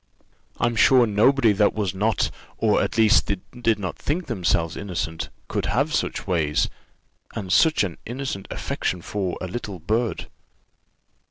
I'm sure, nobody that was not or, at least, that did not think themselves innocent, could have such ways, and such an innocent affection for a little bird.